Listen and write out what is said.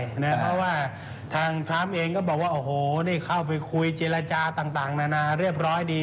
เพราะว่าทางทรัมป์เองก็บอกว่าโอ้โหนี่เข้าไปคุยเจรจาต่างนานาเรียบร้อยดี